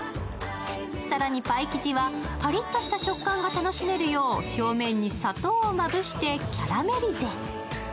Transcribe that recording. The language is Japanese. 更にパイ生地は、パリッとした食感が楽しめるよう表面に砂糖をまぶしてキャラメリゼ。